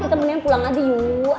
kita mendingan pulang aja yuk